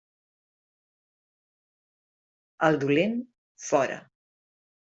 El dolent, fora.